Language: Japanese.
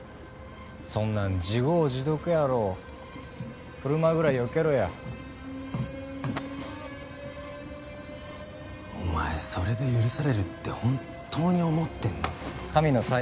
そんなん自業自得やろ車ぐらいよけろやお前それで許されるって本当に思ってんの？